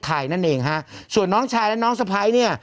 ไทยนั่นเองฮะส่วนน้องชายแล้วน้องสภัยเนี่ย